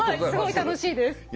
すごい楽しいです。